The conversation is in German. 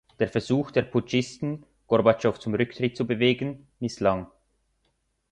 Der Versuch der Putschisten, Gorbatschow zum Rücktritt zu bewegen, misslang.